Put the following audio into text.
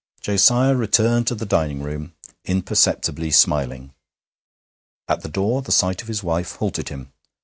Josiah returned to the dining room, imperceptibly smiling. At the door the sight of his wife halted him.